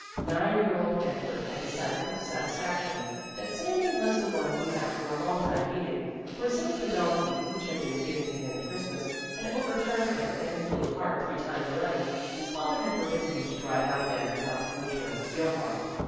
Nine year old Edward had decided with satisfaction that Sami was the one he had for a long time needed, for since the donkey, which had been given to him at Christmas, had overturned him and his little cart three times running, his father had forbidden him to drive out again without the coachman, Johann.